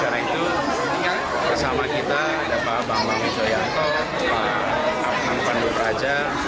karena itu bersama kita ada pak bambang wijoyanto pak adnan pandu praja